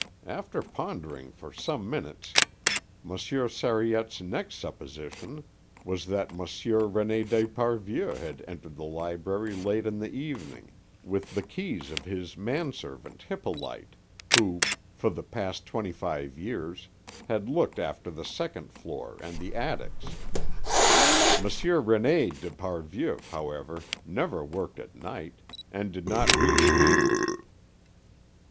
After pondering for some minutes Monsieur Sariette's next supposition was that Monsieur René d'Esparvieu had entered the library late in the evening with the keys of his manservant Hippolyte, who, for the past twenty five years, had looked after the second floor and the attics. Monsieur René d'Esparvieu, however, never worked at night, and did not read Hebrew.